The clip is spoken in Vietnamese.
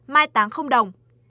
năm mai táng không đồng